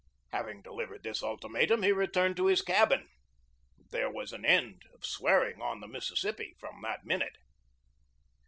Having delivered this ultimatum he returned to his cabin. There was an end of swearing on the Mississippi from that minute.